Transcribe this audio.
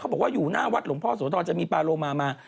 เขาบอกว่าอยู่หน้าวัดหลวงพ่อโสธั่วถ้ามีปลารม่ามา